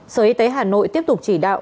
sở y tế hà nội tiếp tục chỉ đạo